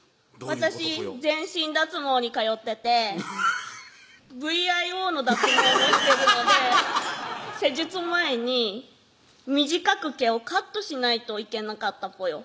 私全身脱毛に通っててＶＩＯの脱毛もしてるので施術前に短く毛をカットしないといけなかったぽよ